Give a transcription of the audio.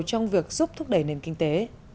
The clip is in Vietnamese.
trong việc giúp thúc đẩy nền kinh tế